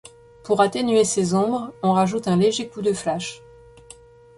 Pour atténuer ces ombres, on rajoute un léger coup de flash.